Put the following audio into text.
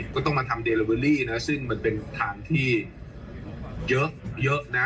ก็ต้องมาทำเดลเบอรี่นะซึ่งมันเป็นฐานที่เยอะนะ